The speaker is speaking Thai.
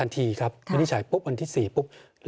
ทีครับวินิจฉัยปุ๊บวันที่๔ปุ๊บ